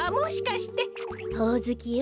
ほおずきよ。